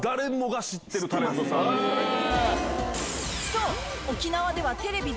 そう！